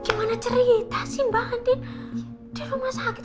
gimana cerita sih mbak nanti di rumah sakit